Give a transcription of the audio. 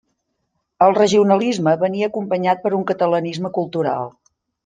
El regionalisme venia acompanyat per un catalanisme cultural.